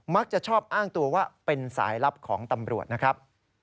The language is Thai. มักจะชอบอ้างตัวว่าเป็นสายลับของตำรวจนะครับ